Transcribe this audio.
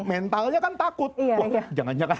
mentalnya kan takut wah jangan jangan